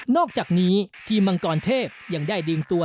อกจากนี้ทีมมังกรเทพยังได้ดึงตัว